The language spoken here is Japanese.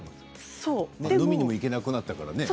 飲みにも行けなくなったからね。